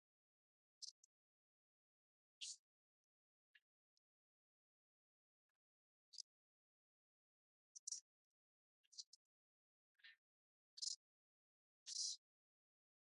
Zelta medaļu šajā disciplīnā izcīnīja Austrālijas sportists Frederiks Leins.